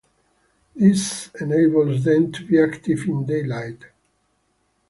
This enables them to be active in daylight.